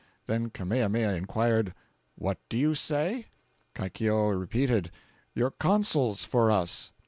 Then Kamehameha inquired, 'What do you say?' Kaikioewa repeated, 'Your counsels for us.